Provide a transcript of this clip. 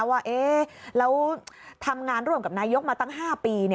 ว่าแล้วทำงานร่วมกับนายกมาตั้ง๕ปี